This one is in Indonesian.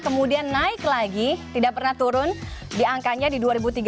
kemudian naik lagi tidak pernah turun di angkanya di dua ribu tiga belas